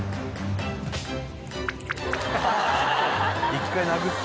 一回殴って。